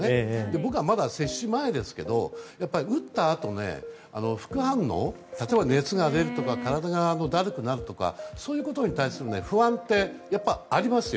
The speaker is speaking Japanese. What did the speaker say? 僕は、まだ接種前ですけども打ったあと、副反応例えば熱が出るとか体がだるくなるとかそういうことに対する不安ってやっぱりありますよ。